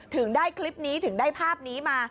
ถึงได้คลิปนี้ถึงได้ภาพนี้มา